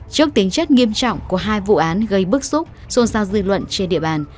trước tính chất nghiêm trọng của hai vụ án gây bức xúc xôn xao dư luận trên địa bàn